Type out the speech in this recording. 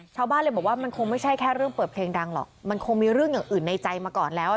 ชาวบ้านเลยบอกว่ามันคงไม่ใช่แค่เรื่องเปิดเพลงดังหรอกมันคงมีเรื่องอย่างอื่นในใจมาก่อนแล้ว